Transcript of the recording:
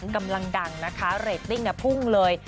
กำลังดังนะคะเรตติ้งพุ่งเลย